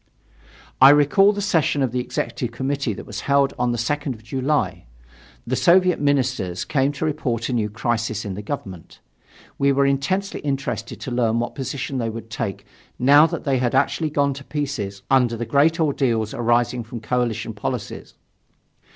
I recall the session of the Executive Committee which was held on the 2nd of July. The Soviet ministers came to report a new crisis in the government. We were intensely interested to learn what position they would take now that they had actually gone to pieces under the great ordeals arising from coalition policies.